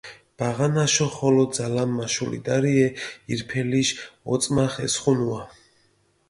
ბაღანაშო ხოლო ძალამ მაშულიდარიე ირფელიშ ოწმახ ესხუნუა.